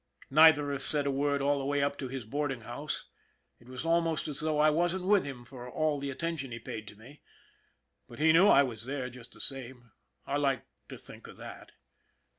Neither of us said a word all the way up to his boarding house. It was almost as though I wasn't with him for all the atten tion he paid to me. But he knew I was there just the same. I like to think of that.